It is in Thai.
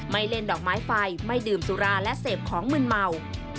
เล่นดอกไม้ไฟไม่ดื่มสุราและเสพของมืนเมา